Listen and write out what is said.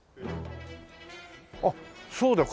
あっそうだよ